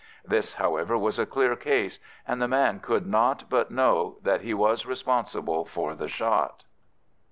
This, however, was a clear case, and the man could not but know that he was responsible for the shot.